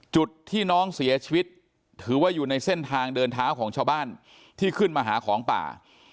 จุดที่น้องเสียชีวิตถือว่าอยู่ในเส้นทางเดินเท้าของชาวบ้านที่ขึ้นมาหาของป่า